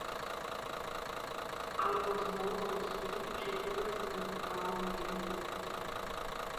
I was one of the three cheerleaders in the Brown game.